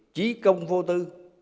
chí công vô tư